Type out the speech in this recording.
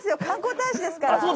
観光大使ですから。